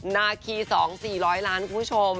นาคี๒๔๐๐ล้านคุณผู้ชม